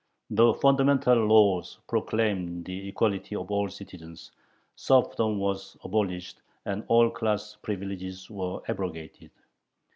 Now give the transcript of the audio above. The fundamental laws proclaimed the equality of all citizens; serfdom was abolished, and all class privileges were abrogated.